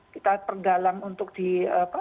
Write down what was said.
kita pergalang untuk di apa